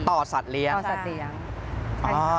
ต่อสัตว์เลี้ยงต่อสัตว์เลี้ยงใช่ค่ะใช่ค่ะใช่ค่ะ